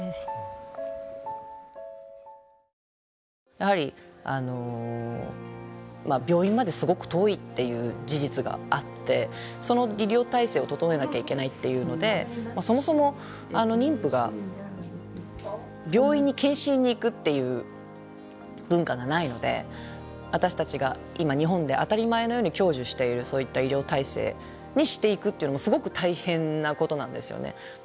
やはり病院まですごく遠いっていう事実があってその医療体制を整えなきゃいけないっていうのでそもそも妊婦が病院に健診に行くっていう文化がないので私たちが今日本で当たり前のように享受しているそういった医療体制にしていくっていうのもすごく大変なことなんですよね。